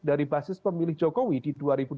dari basis pemilih jokowi di dua ribu sembilan belas